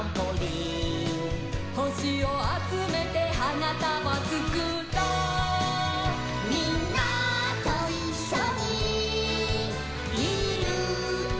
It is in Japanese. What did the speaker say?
「ほしをあつめてはなたばつくろ」「みんなといっしょにいるだけで」